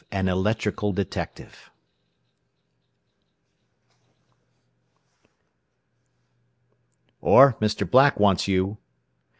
V AN ELECTRICAL DETECTIVE "Orr, Mr. Black wants you."